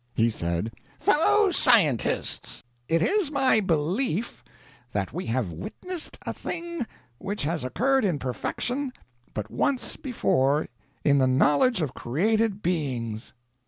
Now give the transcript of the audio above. He said: "Fellow scientists, it is my belief that we have witnessed a thing which has occurred in perfection but once before in the knowledge of created beings.